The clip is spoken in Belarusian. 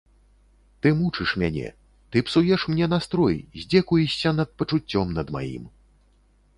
Ты мучыш мяне, ты псуеш мне настрой, здзекуешся над пачуццём над маім.